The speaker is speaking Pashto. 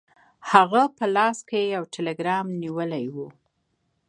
هغه په لاس کې یو ټیلګرام نیولی و.